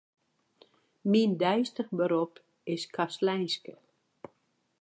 Myn deistich berop is kastleinske.